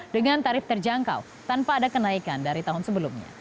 dengan tarif terjangkau tanpa ada kenaikan dari tahun sebelumnya